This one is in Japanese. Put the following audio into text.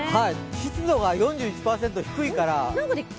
湿度が４１％、低いから。